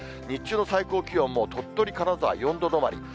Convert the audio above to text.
日中の最高気温も鳥取、金沢４度止まり。